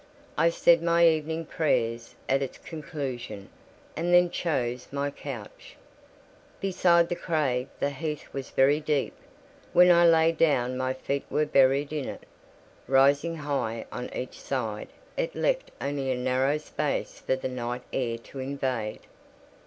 I said my evening prayers at its conclusion, and then chose my couch. I said my evening prayers Beside the crag the heath was very deep: when I lay down my feet were buried in it; rising high on each side, it left only a narrow space for the night air to invade.